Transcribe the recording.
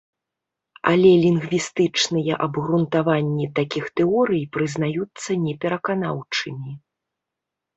Але лінгвістычныя абгрунтаванні такіх тэорый прызнаюцца непераканаўчымі.